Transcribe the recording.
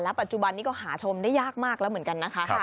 ปัจจุบันนี้ก็หาชมได้ยากมากแล้วเหมือนกันนะคะ